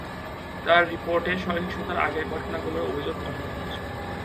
তার রিপোর্টে সহিংসতার আগের ঘটনাগুলোর অভিযোগ অন্তর্ভুক্ত ছিল।